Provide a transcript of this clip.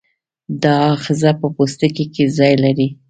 دا آخذه په پوستکي کې ځای لري.